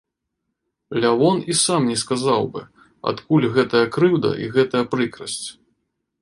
Лявон і сам не сказаў бы, адкуль гэтая крыўда і гэтая прыкрасць.